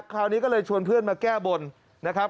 คราวนี้ก็เลยชวนเพื่อนมาแก้บนนะครับ